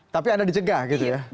tapi anda dicegah gitu ya